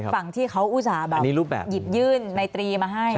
ฝั่งที่เขาอุตส่าห์แบบหยิบยื่นในตรีมาให้